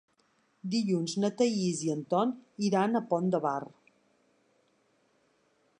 Dilluns na Thaís i en Ton iran al Pont de Bar.